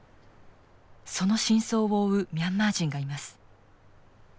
その真相を追うミャンマー人がいます。